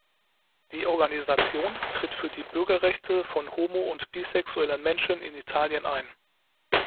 Die Organisation tritt für die Bürgerrechte von homo- und bisexuellen Menschen in Italien ein.